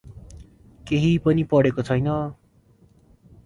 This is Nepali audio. केही पनि पढेको छैन ।